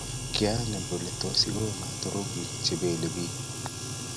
Kiangen kole tos igolo turungik che bele pik